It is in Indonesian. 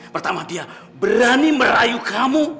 pertama dia berani merayu kamu